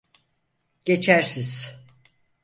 Geçersiz.